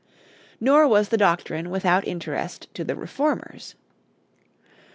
Nor was the doctrine without interest to the Reformers.